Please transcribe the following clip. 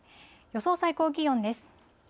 予想最高気温です。